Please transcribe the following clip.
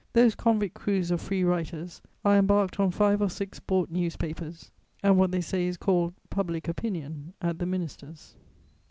Those convict crews of free writers are embarked on five or six bought newspapers, and what they say is called 'public opinion' at the Ministers'."